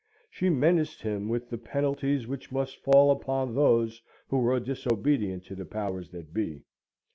She menaced him with the penalties which must fall upon those who were disobedient to the powers that be.